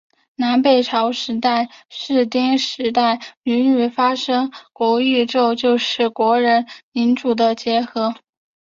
南北朝时代到室町时代屡屡发生的国一揆就是国人领主的结合。